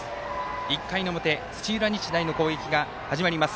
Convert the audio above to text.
１回の表、土浦日大の攻撃が始まります。